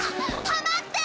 止まって！